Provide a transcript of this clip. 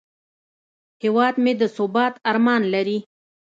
هیواد مې د ثبات ارمان لري